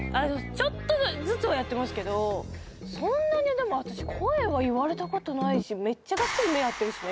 ちょっとずつはやってますけどそんなにでも私声は言われたことないしめっちゃガッツリ目ぇ合ってるしね